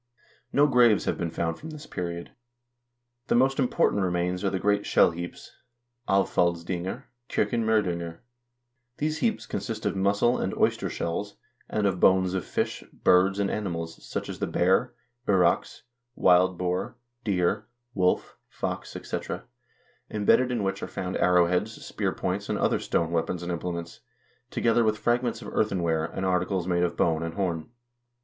No graves have been found from this period. The most important remains are the great shell heaps (avfaldsdynger, Jcj0kkenm0ddinger) . These heaps consist of mussel and oyster shells, and of bones of fish, birds, and animals, such as the bear, urox, wild boar, deer, wolf, fox, etc. ; embedded in which are found arrowheads, spear points, and other stone weapons and implements, together with fragments of earthenware, and articles made of bone and horn.